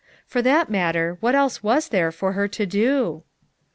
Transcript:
For that matter, what else was there for her to do?